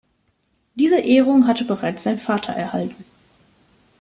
Diese Ehrung hatte bereits sein Vater erhalten.